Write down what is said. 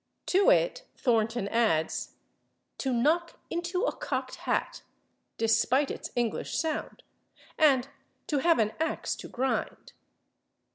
To it Thornton adds /to knock into a cocked hat/, despite its English sound, and /to have an ax to grind